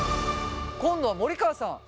今度は森川さん。